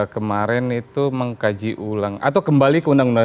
kemarin itu mengkaji ulang atau kembali ke undang undang seribu sembilan ratus empat puluh lima